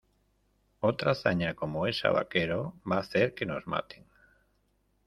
Otra hazaña como esa, vaquero , va a hacer que nos maten.